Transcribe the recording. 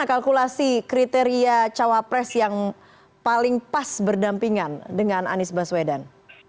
kalkulasi kriteria cawapres yang paling pas berdampingan dengan anies baswedan